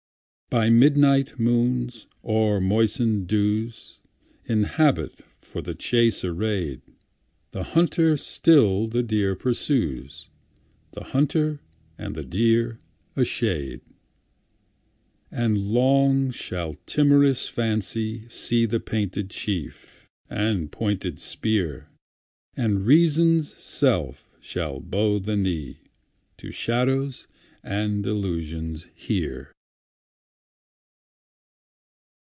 By midnight moons, o'er moistening dews, In habit for the chase arrayed, The hunter still the deer pursues, The hunter and the deer—a shade! And long shall timorous Fancy seeThe painted chief, and pointed spear, And Reason's self shall bow the kneeTo shadows and delusions here.